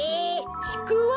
ちくわ！